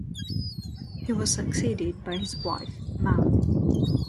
He was succeeded by his wife, Ma.